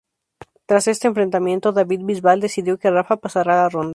Tras este 'enfrentamiento' David Bisbal decidió que Rafa pasara la ronda.